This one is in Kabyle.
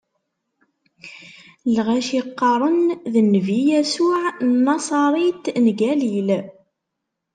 Lɣaci qqaren: D nnbi Yasuɛ n Naṣarit n Galil.